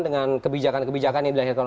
dengan kebijakan kebijakan yang dilahirkan